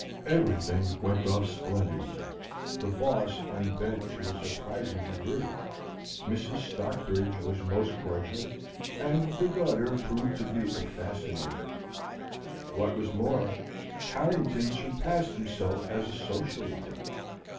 Everything went off splendidly. The boss unbent to a surprising degree, Mrs. Stockbridge was most cordial, and the daughter proved to be a fascinator. What was more, Carrington surpassed himself as a social light.